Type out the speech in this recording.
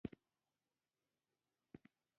سیلابونه د افغانستان د انرژۍ سکتور یوه برخه ده.